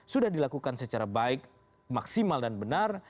sudah dilakukan secara baik maksimal dan benar